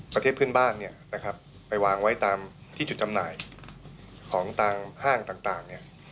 ประเทศเพื่อนบ้านไปวางไว้ตามที่จุดจำหน่ายของต่างห้างต่าง